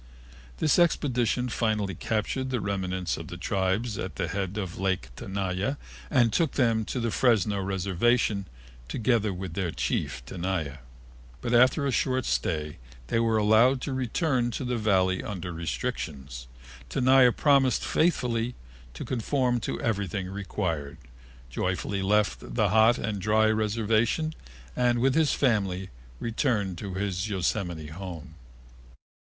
This expedition finally captured the remnants of the tribes at the head of Lake Tenaya and took them to the Fresno reservation, together with their chief, Tenaya. But after a short stay they were allowed to return to the Valley under restrictions. Tenaya promised faithfully to conform to everything required, joyfully left the hot and dry reservation, and with his family returned to his Yosemite home.